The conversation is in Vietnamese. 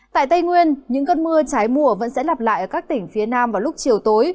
tại tây nguyên những cơn mưa trái mùa vẫn sẽ lặp lại ở các tỉnh phía nam vào lúc chiều tối